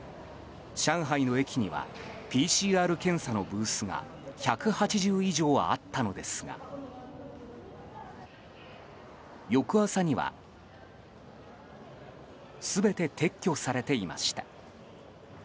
上海の駅にはＰＣＲ検査のブースが１８０以上あったのですが翌朝には全て撤去されていました。